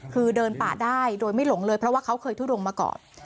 คือเดินป่าได้โดยไม่หลงเลยเพราะว่าเขาเคยทุดงมาก่อน